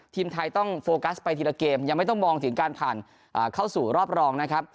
ทีมไทยต้องโฟกัสไปทีละเกมยังไม่ต้องมองถึงการผ่านเข้าสู่รอบรองนะครับ